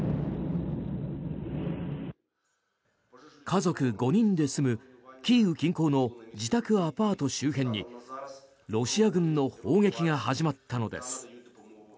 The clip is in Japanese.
家族５人で住むキーウ近郊の自宅アパート周辺にロシア軍の砲撃が始まったのです。